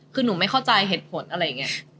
คือหนูไม่เข้าใจเหตุผลอะไรอย่างนี้